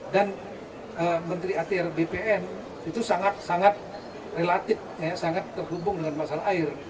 dan menteri atr bpn itu sangat sangat relatif sangat terhubung dengan masalah air